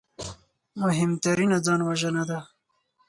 مهمترینه ځانوژنه ده